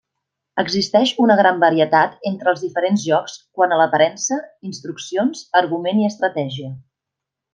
Existeix una gran varietat entre els diferents jocs quant a l'aparença, instruccions, argument i estratègia.